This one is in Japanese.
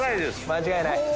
間違いない。